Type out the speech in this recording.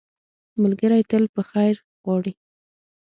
ملګری تل په خیر غواړي